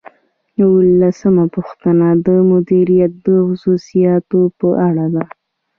اوولسمه پوښتنه د مدیریت د خصوصیاتو په اړه ده.